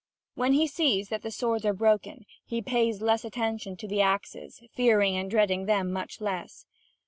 When he sees that the swords are broken, he pays less attention to the axes, fearing and dreading them much less.